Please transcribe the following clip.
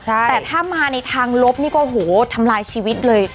แต่ถ้ามาในทางลบนี่ก็โหทำลายชีวิตเลย